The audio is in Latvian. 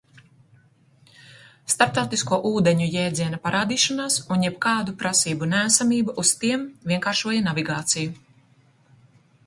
Starptautisko ūdeņu jēdziena parādīšanās un jebkādu prasību neesamība uz tiem vienkāršoja navigāciju.